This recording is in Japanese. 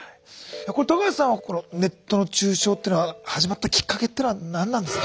橋さんはネットの中傷っていうのが始まったきっかけっていうのは何なんですか？